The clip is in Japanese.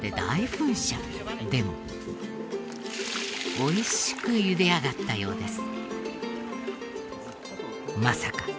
でも美味しくゆで上がったようです。